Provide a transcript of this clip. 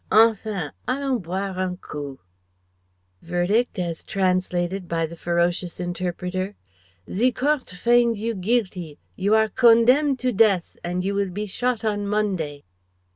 Enfin allons boire un coup " Verdict: as translated by the ferocious interpreter: "Ze Court faind you Geeltee. You are condemned to Dess, and you will be shot on Monday."